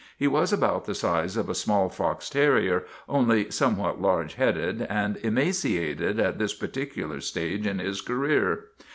He was about the size of a small fox terrier, only somewhat large headed and emaciated at this particular stage in his career.